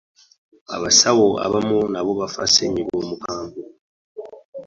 abasawo abamu nabo baafa ssenyiga omukambwe.